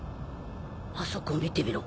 あそこを見てみろ。